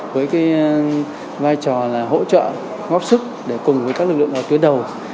với cái vai trò là hỗ trợ góp sức để cùng với các lực lượng ở tuyến đầu